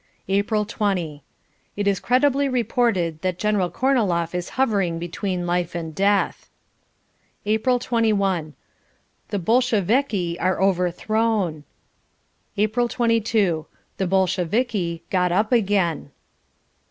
April 20. It is credibly reported that General Korniloff is hovering between life and death. April 21. The Bolsheviki are overthrown. April 22. The Bolsheviki got up again.